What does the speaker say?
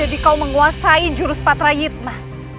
jadi kau menguasai jurus patra yidni